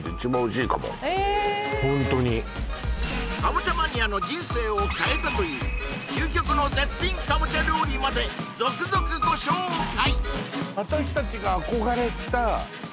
ホントにカボチャマニアの人生を変えたという究極の絶品カボチャ料理まで続々ご紹介！